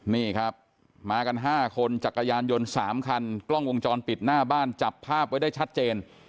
นี่ครับมากัน๕คนจักรยานยนต์๓คันกล้องวงจรปิดหน้าบ้านจับภาพไว้ได้ชัดเจน